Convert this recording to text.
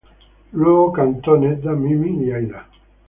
Luego cantó Nedda, Mimi y Aida.